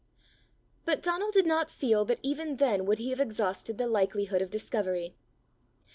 But Donal did not feel that even then would he have exhausted the likelihood of discovery.